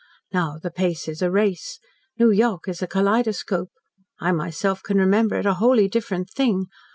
Now the pace is a race. New York is a kaleidoscope. I myself can remember it a wholly different thing.